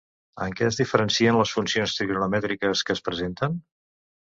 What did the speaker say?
En què es diferencien les funcions trigonomètriques que es presenten?